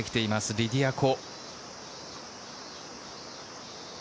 リディア・コ。